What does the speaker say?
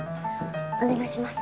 お願いします。